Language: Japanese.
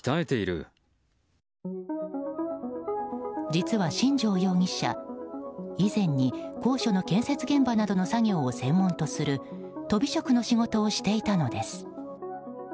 実は新城容疑者、以前に高所の建設現場などの作業を専門とするとび職の仕事をしていたのです。